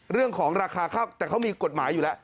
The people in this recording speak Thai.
เรื่องของราคาข้าวแต่เขามีกฎหมายอยู่แล้ว